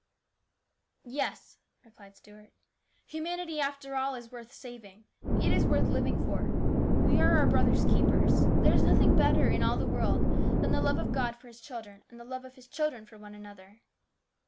" Yes," replied Stuart, " humanity, after all, is worth saving ; it is worth living for. We are our brothers' keepers. There is nothing better in all the world than the love of God for His children, and the love of His children for one another."